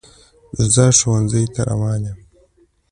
زه ښوونځي ته روان یم.